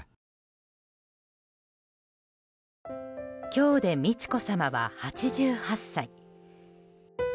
今日で美智子さまは８８歳。